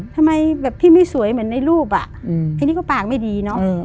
ทำไมพี่ไม่สวยเหมือนในรูปอันนี้ก็ปากไม่ดี